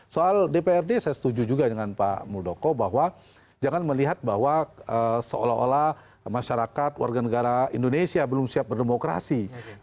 soal dprd saya setuju juga dengan pak muldoko bahwa jangan melihat bahwa seolah olah masyarakat warga negara indonesia belum siap berdemokrasi